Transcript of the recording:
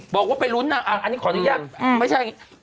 บอกว่าไปลุ้นนะอันนี้ขออนุญาตไม่ใช่อย่างนี้